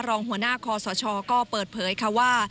รองหัวหน้าคอสชก็เปิดเผยค่ะว่า